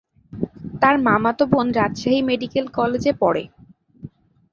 তার মামাতো বোন রাজশাহী মেডিকেল কলেজে পড়ে।